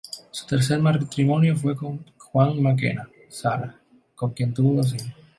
Su tercer matrimonio fue con Juan Mackenna Salas con quien tuvo dos hijos.